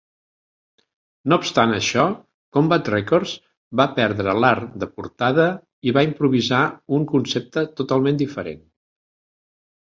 No obstant això, Combat Records va perdre l'art de portada i va improvisar un concepte totalment diferent.